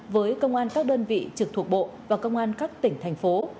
với công an các đơn vị trực thuộc bộ và công an các tỉnh thành phố